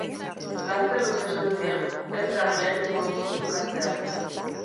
Gazteluk esan zion, elkar lehenengoz musukatzean.